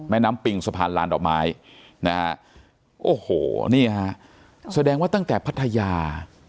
แม่น้ำปิงสะพานลานดอกไม้นะฮะโอ้โหนี่ฮะแสดงว่าตั้งแต่พัทยา